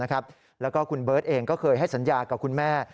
แล้วก็คุณเบิร์ตเองก็เคยให้สัญญากับคุณแม่